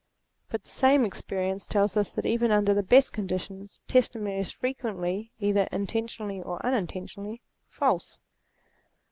But the same ex 220 THEISM perience tells us that even under the best conditions testimony is frequently either intentionally or un intentionally, false.